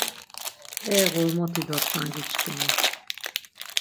E Ğormoti do Ťrangi çkimi!.